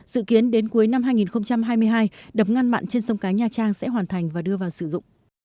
dự kiến đến cuối năm hai nghìn hai mươi hai đập ngăn mặn trên sông cái nha trang sẽ hoàn thành và đưa vào sử dụng